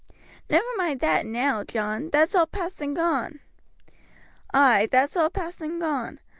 "Never mind that now, John; that's all past and gone." "Ay, that's all past and gone.